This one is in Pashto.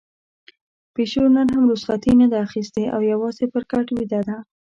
پيشو نن هم رخصتي نه ده اخیستې او يوازې پر کټ ويده ده.